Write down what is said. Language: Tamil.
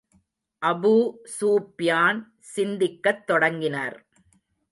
அபூ ஸுப்யான் சிந்திக்கத் தொடங்கினார்.